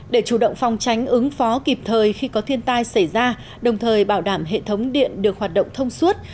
để chủ động phòng tránh ứng phó kịp thời khi có thiên tai xảy ra đồng thời bảo đảm hệ thống điện được hoạt động thông suốt